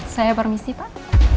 saya permisi pak